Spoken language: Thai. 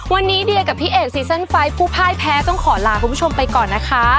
วันนี้เดียกับพี่เอกซีซั่นไฟล์ผู้พ่ายแพ้ต้องขอลาคุณผู้ชมไปก่อนนะคะ